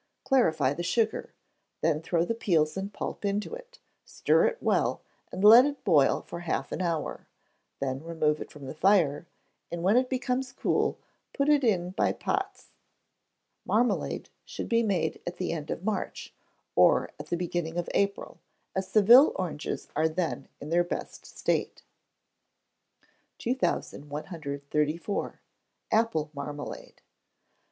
Clarify the sugar; then throw the peels and pulp into it, stir it well, and let it boil for half an hour. Then remove it from the fire, and when it becomes cool, put it by in pots. Marmalade should be made at the end of March, or at the beginning of April, as Seville oranges are then in their best state. 2134. Apple Marmalade.